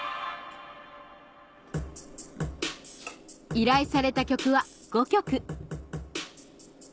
依頼された曲は５曲